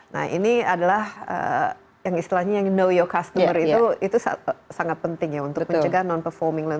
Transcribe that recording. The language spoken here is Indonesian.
nah ini adalah yang istilahnya yang know your customer itu sangat penting ya untuk mencegah non performing loan